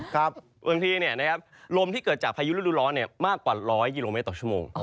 บางทีลมที่เกิดจากพายุฤดูร้อนมากกว่า๑๐๐กิโลเมตรต่อชั่วโมง